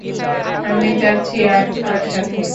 আমি যাচ্ছি আপনার সাথে।